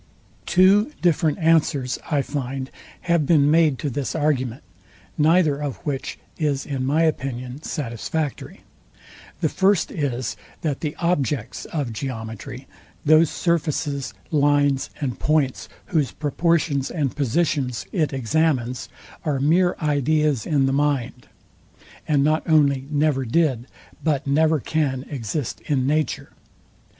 Two different answers, I find, have been made to this argument; neither of which is in my opinion satisfactory. The first is, that the objects of geometry, those surfaces, lines and points, whose proportions and positions it examines, are mere ideas in the mind; and not only never did, but never can exist in nature.